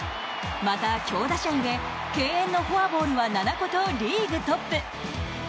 また、強打者ゆえ敬遠のフォアボールは７個とリーグトップ。